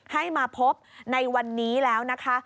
ให้มาพบในวันนี้แล้วนะคะ